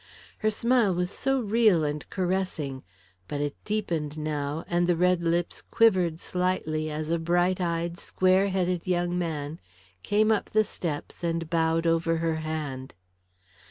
Her smile was so real and caressing, but it deepened now, and the red lips quivered slightly as a bright eyed, square headed young man came up the steps and bowed over her hand.